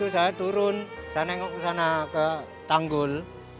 saya turun ke sana ke tanggul